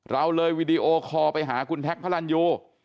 เราเลยวีดีโอคอลไปหาคุณแท็กพระรันยู